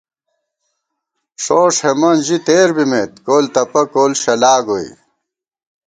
ݭوݭ ہېمن ژِی تېر بِمېت، کول تَپہ کول شلاگوئی